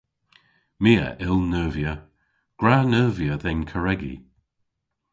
My a yll neuvya. Gwra neuvya dhe'n karregi.